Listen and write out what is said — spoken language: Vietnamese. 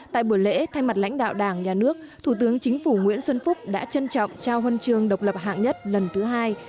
tại buổi lễ thay mặt lãnh đạo đảng nhà nước thủ tướng chính phủ nguyễn xuân phúc đã trân trọng trao huân trường độc lập hạng nhất lần thứ hai